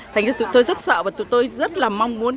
tụi tôi rất sợ và tụi tôi rất là mong muốn